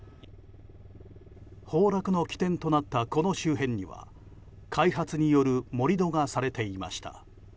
崩落の起点となったこの周辺には開発による盛り土がされていました。